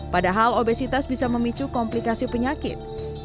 padahal obesitas bisa memicu komplikasi penyakit